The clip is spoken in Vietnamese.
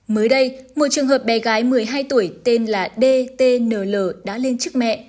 mới đây một trường hợp bé gái một mươi hai tuổi tên là dtnl đã lên chức mẹ